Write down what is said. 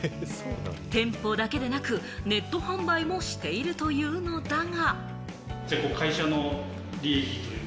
店舗だけでなく、ネット販売もしているというのだが。